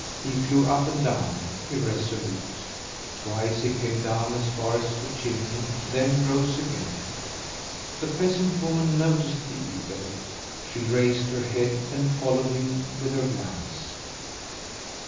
He flew up and down, irresolute; twice he came down as far as the chimney, then rose again. The peasant woman noticed the eagle. She raised her head and followed him with her glance.